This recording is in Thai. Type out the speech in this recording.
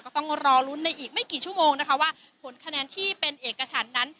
ต้องรอลุ้นในอีกไม่กี่ชั่วโมงนะคะว่าผลคะแนนที่เป็นเอกฉันนั้น